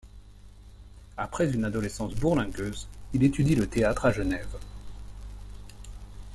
Après une adolescence bourlingueuse, il étudie le théâtre à Genève.